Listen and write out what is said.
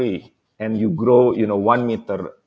dan anda tumbuh satu meter